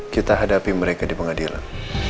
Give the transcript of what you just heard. kita hadapi mereka di pengadilan